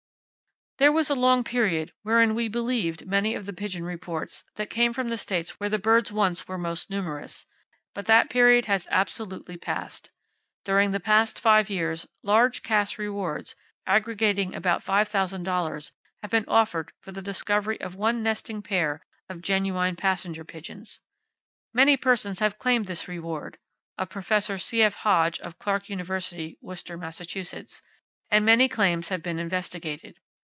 There was a long period wherein we believed many of the pigeon reports that came from the states where the birds once were most numerous; but that period has absolutely passed. During the past five years large cash [Page 14] rewards, aggregating about $5000, have been offered for the discovery of one nesting pair of genuine passenger pigeons. Many persons have claimed this reward (of Professor C.F. Hodge, of Clark University, Worcester, Mass.), and many claims have been investigated.